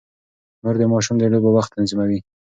مور د ماشوم د لوبو وخت تنظيموي.